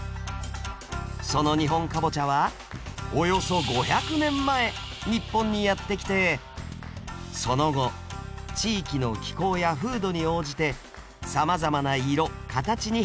その日本カボチャはおよそ５００年前日本にやって来てその後地域の気候や風土に応じてさまざまな色形に変化しました。